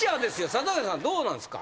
里崎さんどうなんすか？